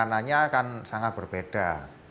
penanganannya akan sangat berbeda